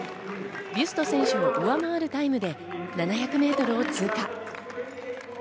ビュスト選手を上回るタイムで７００メートルを通過。